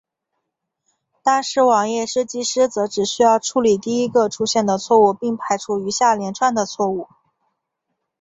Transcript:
但是网页设计师则只需要处理第一个出现的错误并排除余下连串的错误。